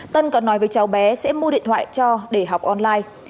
tân còn nói với cháu bé sẽ mua điện thoại cho để học online